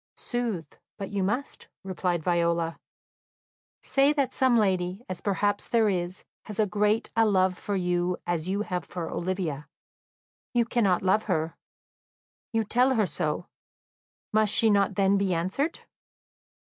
"Sooth, but you must," replied Viola. "Say that some lady, as perhaps there is, has as great a love for you as you have for Olivia; you cannot love her; you tell her so; must she not then be answered?"